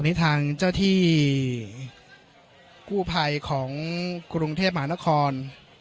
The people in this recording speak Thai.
ตรงนี้ทางเจ้าที่กู้ไพรของกรุงเทพหมานคร